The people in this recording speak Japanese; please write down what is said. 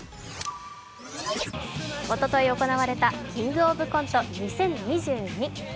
おととい行われた「キングオブコント２０２２」。